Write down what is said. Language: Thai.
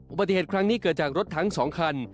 อุบัติเหตุครั้งนี้เกิดจากรถทั้ง๒คัน